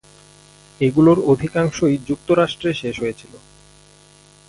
এগুলোর অধিকাংশই যুক্তরাষ্ট্রে শেষ হয়েছিল।